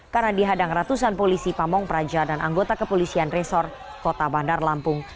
karena dihadang ratusan polisi pamong praja dan anggota kepolisian resor kota bandar lampung